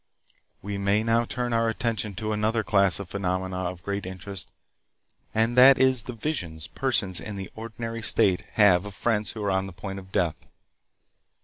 We may now turn our attention to another class of phenomena of great interest, and that is the visions persons in the ordinary state have of friends who are on the point of death.